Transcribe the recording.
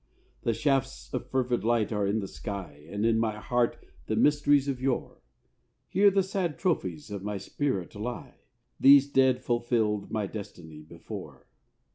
The shafts of fervid light are in the sky, And in my heart the mysteries of yore. Here the sad trophies of my spirit lie: These dead fulfilled my destiny before.